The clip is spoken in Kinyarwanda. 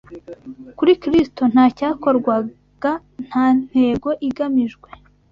Kuri Kristo, nta cyakorwaga nta ntego igamijwe